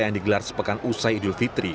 yang digelar sepekan usai idul fitri